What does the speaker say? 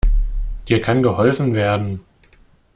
Dir kann geholfen werden.